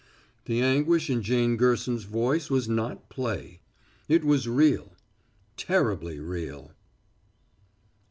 The anguish in Jane Gerson's voice was not play. It was real terribly real.